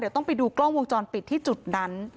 เดี๋ยวต้องไปดูกล้องวงจรปิดที่จุดนั้น